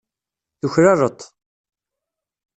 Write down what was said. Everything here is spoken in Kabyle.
Tuklaleḍ-t.